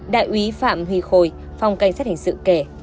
đại úy phạm huy khôi phòng cảnh sát hình sự kể